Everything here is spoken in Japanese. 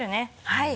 はい。